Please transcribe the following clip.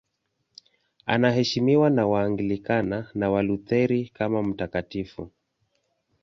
Anaheshimiwa na Waanglikana na Walutheri kama mtakatifu.